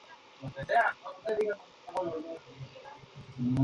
Las primeras versiones demostraron ser poco fiables.